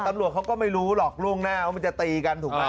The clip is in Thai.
ตำรวจเขาก็ไม่รู้หรอกล่วงหน้าว่ามันจะตีกันถูกไหม